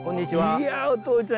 いやお父ちゃん